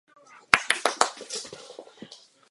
Byl spoluzakladatelem Organizace africké jednoty.